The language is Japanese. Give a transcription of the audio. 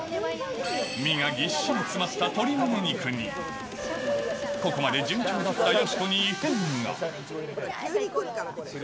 身がぎっしり詰まった鶏むね肉に、ここまで順調だったよしこ